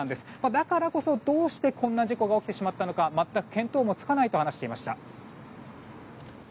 だからこそ、どうしてこんな事故が起きてしまったのか全く見当もつかないと話していました。